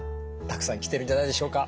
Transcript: たくさん来てるんじゃないでしょうか。